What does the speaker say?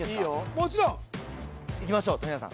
もちろんいきましょう富永さん